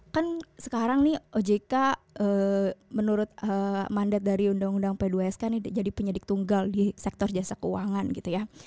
kan sekarang nih ojk menurut mandat dari undang undang p dua sk ini jadi penyidik tunggal di sektor jasa keuangan gitu ya